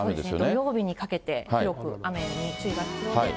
土曜日にかけて広く雨に注意が必要です。